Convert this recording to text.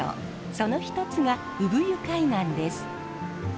その一つが産湯海岸です。